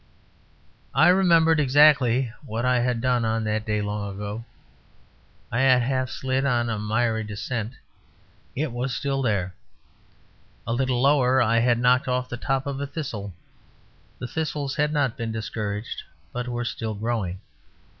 I remembered exactly what I had done on that day long ago. I had half slid on a miry descent; it was still there; a little lower I had knocked off the top of a thistle; the thistles had not been discouraged, but were still growing.